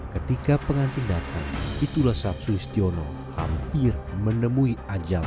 ketika pengantin datang itulah saat sulistiono hampir menemui ajal